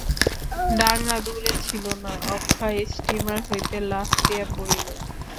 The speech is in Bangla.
ডাঙা দূরে ছিল না, অক্ষয় স্টীমার হইতে লাফ দিয়া পড়িল।